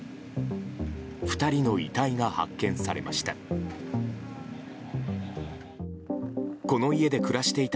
２人の遺体が発見されました。